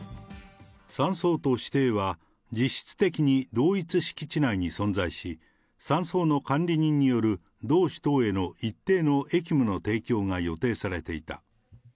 山荘と私邸は、実質的に同一敷地内に存在し、山荘の管理人による同氏等への一定の役務の提供が予定されていた。